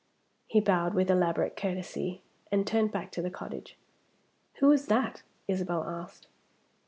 He bowed with elaborate courtesy, and turned back to the cottage. "Who is that?" Isabel asked.